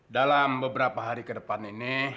dalam beberapa hari ke depan ini